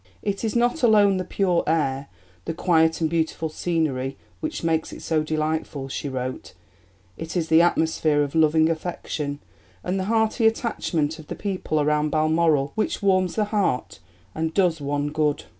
"It is not alone the pure air, the quiet and beautiful scenery, which makes it so delightful," she wrote; "it is the atmosphere of loving affection, and the hearty attachment of the people around Balmoral which warms the heart and does one good."